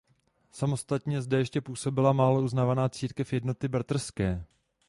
Samostatně zde ještě působila málo uznávaná církev Jednoty bratrské.